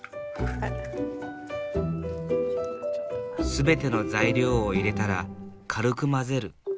全ての材料を入れたら軽く混ぜる。